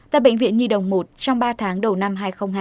tại bệnh viện nhi đồng một trong ba tháng đầu năm hai nghìn hai mươi